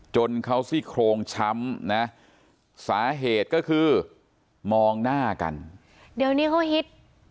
จนเขาซี่โครงช้ำนะสาเหตุก็คือมองหน้ากันเดี๋ยวนี้เขาฮิต